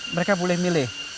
mereka boleh milih